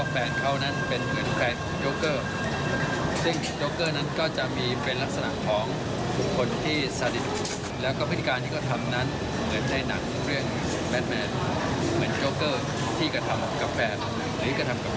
แปลว่าครั้งนี้ไม่ใช่ครั้งแรกคือที่ผ่านมาเกิดมีครั้งแบบนี้มาบ้าง